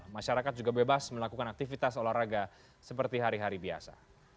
masyarakat juga bebas melakukan aktivitas olahraga seperti hari hari biasa